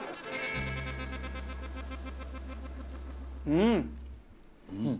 うん！